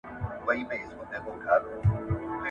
سالم رقابت پرمختګ دی.